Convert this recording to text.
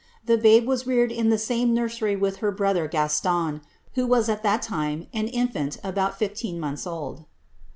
The babe was reared in the same nursery with her brother Gaston, who was at that time an infant about fifteen months old.